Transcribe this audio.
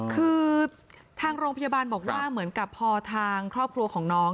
คือทางโรงพยาบาลบอกว่าเหมือนกับพอทางครอบครัวของน้อง